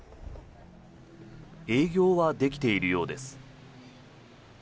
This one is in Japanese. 営業はできているようです。